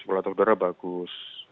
kualitas udara bagus